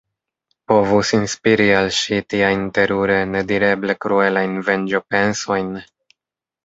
povus inspiri al ŝi tiajn terure, nedireble kruelajn venĝopensojn?